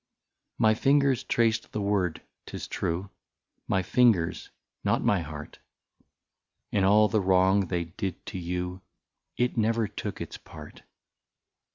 My fingers traced the word, 't is true, My fingers, not my heart ; In all the wrong they did to you, It never took its part.